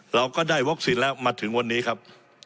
เราก็ได้วัคซีนแล้วมาถึงวันนี้ครับ